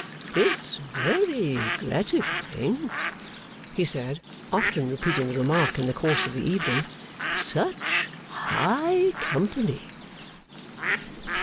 'It's very gratifying,' he said, often repeating the remark in the course of the evening. 'Such high company!